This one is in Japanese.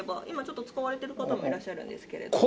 今ちょっと使われてる方もいらっしゃるんですけれど。